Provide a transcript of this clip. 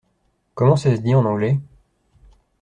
Comment ça se dit en anglais ?